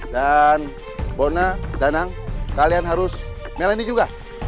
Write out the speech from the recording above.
dan bona danang kalian harus melani juga